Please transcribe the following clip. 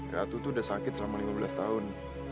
ratu tuh udah sakit selama lima belas tahun